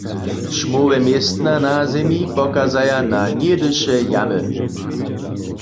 Ćmowe městna na zemi pokazaja na něhdyše jamy.